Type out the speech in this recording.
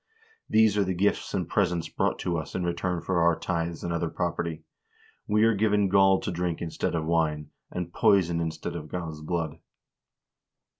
These are the gifts and presents brought to us in return for our tithes and other property. We are given gall to drink instead of wine, and poison instead of God's blood."